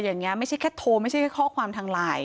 อย่างนี้ไม่ใช่แค่โทรไม่ใช่แค่ข้อความทางไลน์